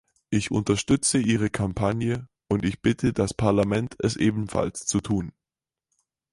Ich unterstütze ihre Kampagne, und ich bitte das Parlament, es ebenfalls zu tun.